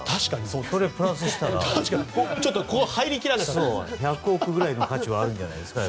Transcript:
それをプラスしたら１００億くらいの価値はあるんじゃないですか。